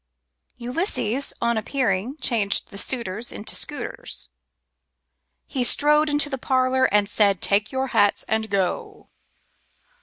Ulysses, on appearing, changed the suitors into scooters He strode into the parlor and said: "Take your hats and go!"